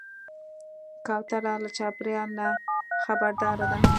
کوتره له چاپېریاله نه خبرداره ده.